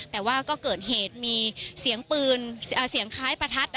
แต่ว่าก็เกิดเหตุมีเสียงคล้ายประทัด